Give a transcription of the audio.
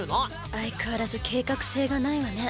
相変わらず計画性がないわね。